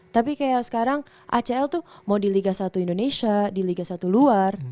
tapi kayak sekarang acl tuh mau di liga satu indonesia di liga satu luar